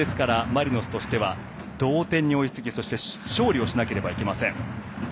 マリノスとしては同点に追いつきそして勝利をしなければいけません。